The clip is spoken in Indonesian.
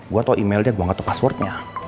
gue tau emailnya gue gak tau passwordnya